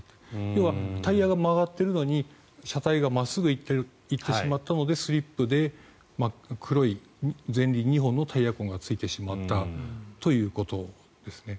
要はタイヤが曲がってるのに車体が真っすぐ行ってしまったのでスリップで黒い前輪２本のタイヤ痕がついてしまったということですね。